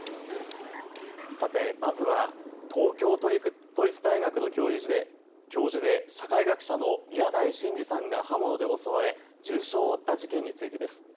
さてまずは東京都立大学の教授で社会学者の宮台真司さんが刃物で襲われ重傷を負った事件についてです。